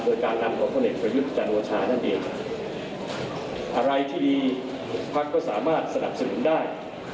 พรรคก็สามารถสนับสนุนได้